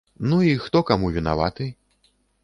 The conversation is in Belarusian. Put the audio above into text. Ну і хто каму вінаваты?